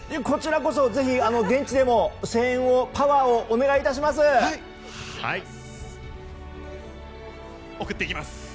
こちらこそ、ぜひ現地でも声援を、パワーをお願いいたします！